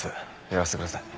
やらせてください。